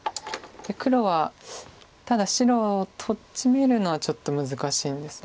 黒はただ白をとっちめるのはちょっと難しいんです。